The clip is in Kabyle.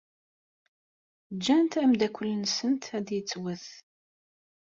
Ǧǧant ameddakel-nsent ad yettwet.